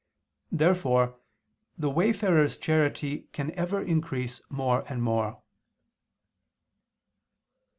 Therefore the wayfarer's charity can ever increase more and more.